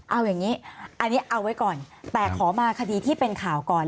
เอาอย่างนี้อันนี้เอาไว้ก่อนแต่ขอมาคดีที่เป็นข่าวก่อน